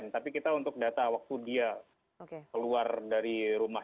tapi kita untuk data waktu dia keluar dari rumah